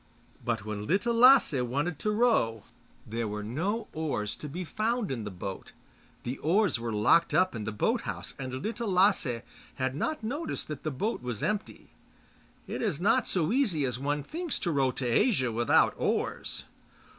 But when Little Lasse wanted to row there were no oars to be found in the boat. The oars were locked up in the boat house, and Little Lasse had not noticed that the boat was empty. It is not so easy as one thinks to row to Asia without oars.